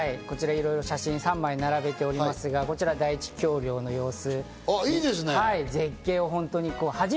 写真を３枚並べていますが、こちら第一橋梁の様子。